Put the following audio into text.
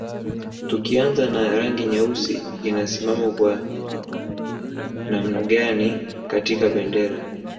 Tukianza na rangi nyeusi inasimama kwa namna gani katika bendera